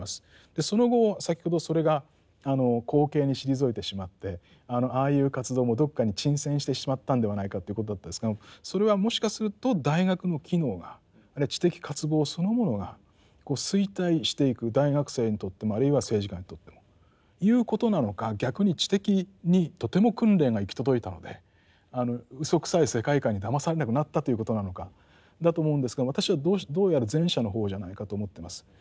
その後先ほどそれが後景に退いてしまってああいう活動もどっかに沈潜してしまったんではないかということだったですけどもそれはもしかすると大学の機能があるいは知的渇望そのものが衰退していく大学生にとってもあるいは政治家にとってもいうことなのか逆に知的にとても訓練が行き届いたのであのうそくさい世界観にだまされなくなったということなのかだと思うんですけども私はどうやら前者の方じゃないかと思ってます。